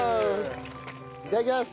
いただきます。